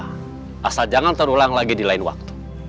asal jangan terulang lagi di lain waktu